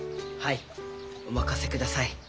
はいお任せください。